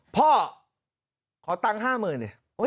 พ่อขอตังค์ห้าหมื่นนี่